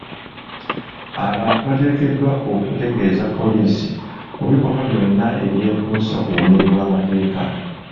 Abantu bateekeddwa okutegeeza poliisi ku bikolwa byonna ebyekuusa ku bumenyi bw'amateeka.